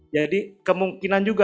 jadi kemungkinan juga